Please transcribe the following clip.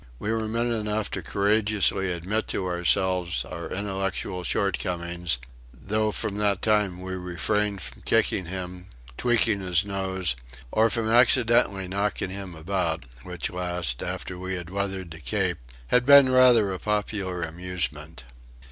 We were men enough to courageously admit to ourselves our intellectual shortcomings; though from that time we refrained from kicking him, tweaking his nose, or from accidentally knocking him about, which last, after we had weathered the Cape, had been rather a popular amusement.